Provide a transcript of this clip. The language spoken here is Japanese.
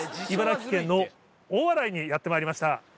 茨城県の大洗にやってまいりました。